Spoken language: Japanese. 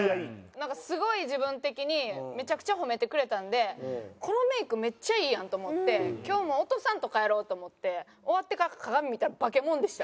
なんかすごい自分的にめちゃくちゃ褒めてくれたんでこのメイクめっちゃいいやんと思って今日もう落とさんと帰ろうと思って終わってから鏡見たら化け物でした。